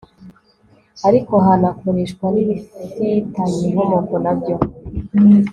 ariko hanakoreshwa n'ibifitanye inkomoko na byo